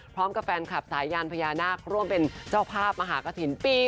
พร้อมกับแฟนคลับสายยานพญานาคร่วมเป็นเจ้าภาพมหากฐิน